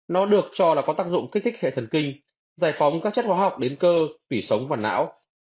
nó được cho là có tác dụng kích thích hệ thần kinh giải phóng các chất hóa học đến cơ tủy sống và não